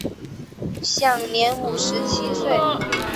享年五十七岁。